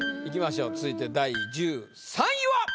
いきましょう続いて第１３位は。